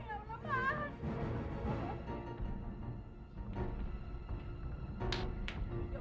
ya allah mas